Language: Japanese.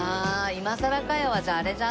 「今さらかよ」はじゃああれじゃない？